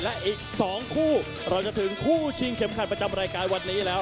และอีก๒คู่เราจะถึงคู่ชิงเข็มขัดประจำรายการวันนี้แล้ว